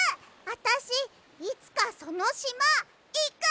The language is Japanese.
あたしいつかそのしまいく！